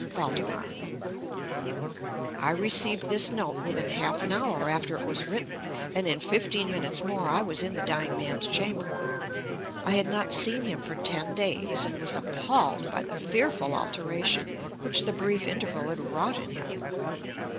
VALDEMAR I received this note within half an hour after it was written, and in fifteen minutes more I was in the dying man's chamber. I had not seen him for ten days, and was appalled by the fearful alteration which the brief interval had wrought in him.